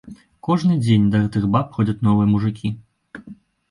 Кожны дзень да гэтых баб ходзяць новыя мужыкі.